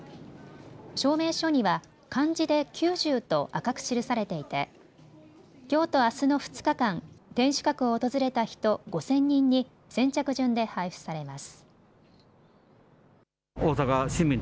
証明書には漢字で九十と赤く記されていてきょうとあすの２日間、天守閣を訪れた人５０００人に先着順で配布されます。